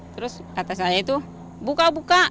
terus kata saya itu buka buka